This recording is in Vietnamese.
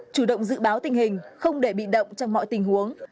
chủ động dự báo tình hình không để bị động trong mọi tình huống